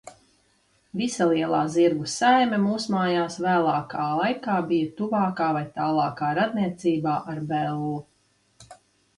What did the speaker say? Visa lielā zirgu saime mūsmājās vēlākā laikā bija tuvākā vai tālākā radniecībā ar Bellu.